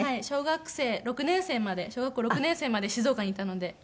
小学生６年生まで小学校６年生まで静岡にいたので。